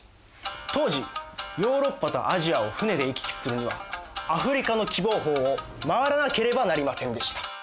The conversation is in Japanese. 当時ヨーロッパとアジアを船で行き来するにはアフリカの喜望峰を回らなければなりませんでした。